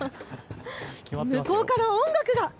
向こうから音楽が。